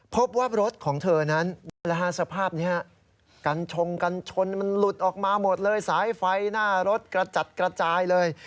พบว่ารถของเธอนั้นสภาพนี้ฮะกัญชงกันชนมันหลุดออกมาหมดเลยสายไฟหน้ารถกระจัดกระจายเลย